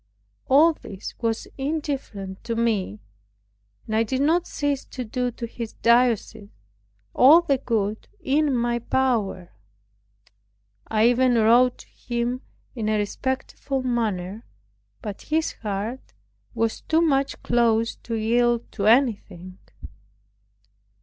All this was indifferent to me; and I did not cease to do to his diocese all the good in my power. I even wrote to him in a respectful manner; but his heart was too much closed to yield to anything.